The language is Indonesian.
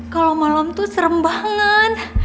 kalo malem tuh serem banget